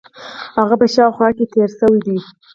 هغه په شاوخوا کې تېر شوی دی.